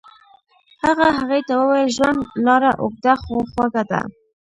هغه هغې ته وویل ژوند لاره اوږده خو خوږه ده.